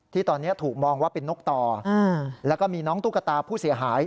ที่ตอนนี้ถูกมองว่าเป็นนกต่อแล้วก็มีน้องตุ๊กตาผู้เสียหาย